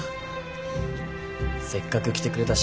せっかく来てくれたし。